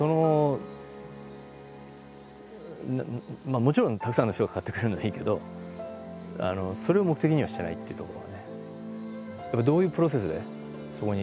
まあもちろんたくさんの人が買ってくれるのはいいけどそれを目的にはしてないっていうところがね。